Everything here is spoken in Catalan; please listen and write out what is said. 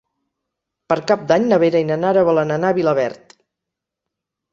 Per Cap d'Any na Vera i na Nara volen anar a Vilaverd.